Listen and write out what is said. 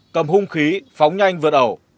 cầm hung khí phóng nhanh vượt ẩu